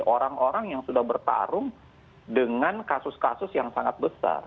orang orang yang sudah bertarung dengan kasus kasus yang sangat besar